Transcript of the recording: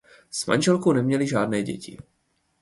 S manželkou neměli žádné děti.